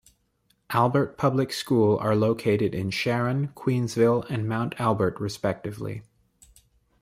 Albert Public School are located in Sharon, Queensville and Mount Albert respectively.